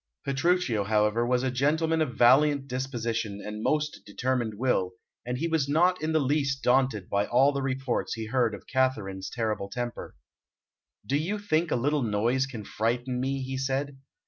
Petruchio, however, was a gentleman of valiant disposition and most determined will, and he was not in the least daunted by all the reports he heard of Katharine's terrible temper. "Do you think a little noise can frighten me?" he said.